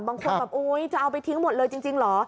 บางคนแบบโอ๊ยจะเอาไปทิ้งหมดเลยจริงเหรอ